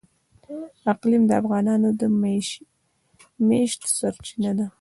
اقلیم د افغانانو د معیشت سرچینه ده.